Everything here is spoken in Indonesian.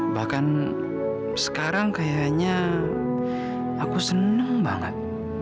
bahkan sekarang kayaknya aku seneng banget